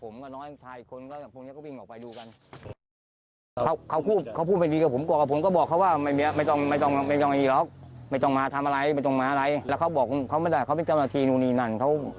ไม่เกี่ยวครับไม่เกี่ยวไม่เกี่ยวผมไม่ได้มีอากาศอะไรกับคู่ภัย